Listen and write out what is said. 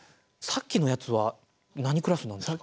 さっきのやつはＭクラスですね。